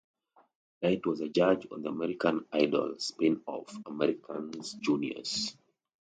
Knight was a judge on the "American Idol" spin-off, "American Juniors".